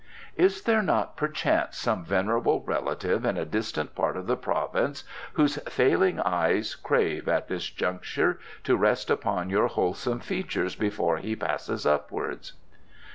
"Is there not, perchance, some venerable relative in a distant part of the province whose failing eyes crave, at this juncture, to rest upon your wholesome features before he passes Upwards?"